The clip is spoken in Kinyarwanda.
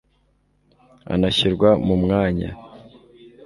anashyirwa mu mwanya